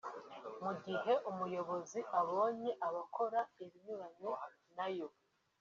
mu gihe umuyobozi abonye abakora ibinyuranye na yo